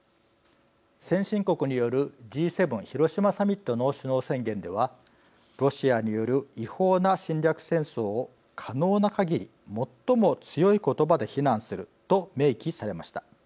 先進国によるＧ７広島サミットの首脳宣言ではロシアによる違法な侵略戦争を可能なかぎり最も強い言葉で非難すると明記されました。